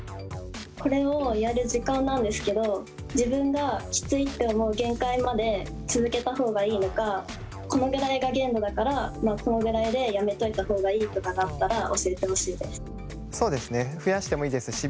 これをやる時間なんですけど自分がきついって思う限界まで続けた方がいいのかこのぐらいが限度だからこのぐらいでやめといた方がいいとかがあったら教えてほしいです。